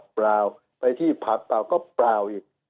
เปล่าไปที่ผับเปล่าก็เปล่าอีก